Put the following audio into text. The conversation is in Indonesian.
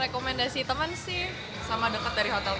rekomendasi teman sih sama dekat dari hotel